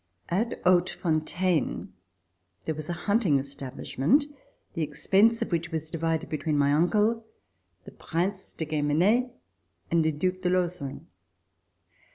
At Hautefontaine there was a hunting establish ment, the expense of which was divided between my uncle, the Prince de Guemene and the Due de Lauzun.